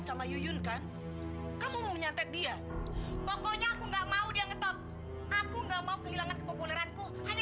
sampai jumpa di video selanjutnya